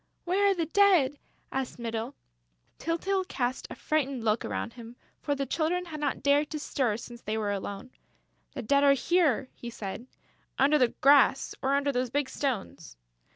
"Where are the Dead?" asked Mytyl. Tyltyl cast a frightened look around him, for the Children had not dared to stir since they were alone: "The Dead are here," he said, "under the grass or under those big stones."